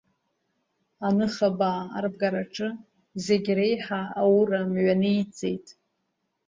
Аныхабаа арбгараҿы зегь реиҳа ауыра мҩаниҵеит.